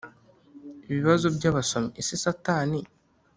Ibibazo by abasomyi Ese Satani